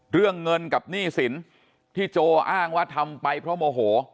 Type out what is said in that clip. เรื่องเงินกับหนี้สินที่โจอ้างว่าทำไปเพราะโมโห